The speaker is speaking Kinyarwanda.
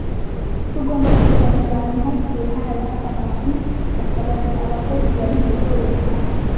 tugomba kugabanya abantu…hagiye haza abantu bakabaza abakozi bari mu rugo runaka